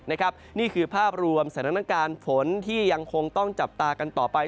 นี่คือภาพรวมสถานการณ์ฝนที่ยังคงต้องจับตากันต่อไป